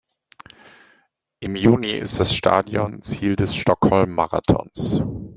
Im Juni ist das Stadion Ziel des Stockholm-Marathons.